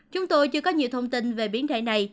chúng tôi chưa có nhiều thông tin về biến thể này